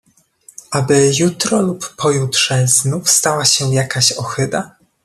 "Aby jutro lub pojutrze znów stała się jakaś ohyda?"